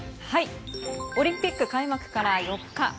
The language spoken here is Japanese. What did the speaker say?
オリンピック開幕から４日。